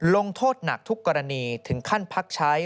ลงโทษหนักทุกกรณีถึงขั้นพักใช้